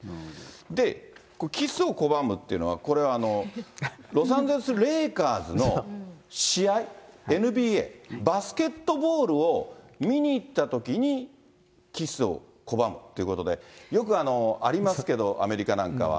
で、キスを拒むっていうのは、これはロサンゼルスレイカーズの試合、ＮＢＡ、バスケットボールを見に行ったときにキスを拒むということで、よくありますけど、アメリカなんかは。